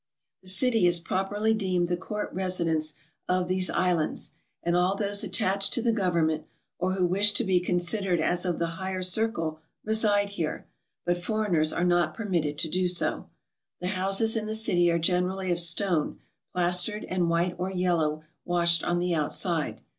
The city is properly deemed the court residence of these islands ; and all those attached to the government, or who wish to be considered as of the higher circle, reside here ; but foreigners are not permitted to do so. The houses in the city are generally of stone, plastered, and white or yel low washed on the outside.